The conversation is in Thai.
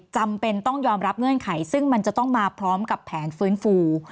จำเป็นต้องยอมรับเงื่อนไขซึ่งมันจะต้องมาพร้อมกับแผนฟื้นฟู